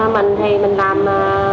mình thì mình làm